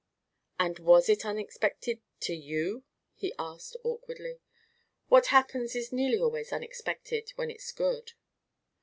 "And was it unexpected to you?" he asked, awkwardly. "What happens is nearly always unexpected when it's good."